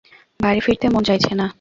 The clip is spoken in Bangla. বাড়ি ফিরতে মন চাইছে না।